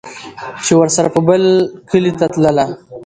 چې ورسره به بل کلي ته تلله